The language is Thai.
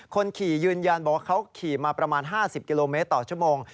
คนขี่ยืนยันบอกว่าเขาขี่มาประมาณ๕๐กิโลเมตรต่อชั่วโมง